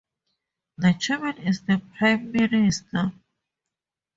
The chairman is the prime minister.